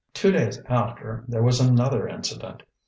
Two days after there was another incident.